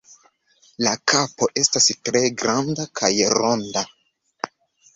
La kapo estas tre granda kaj ronda.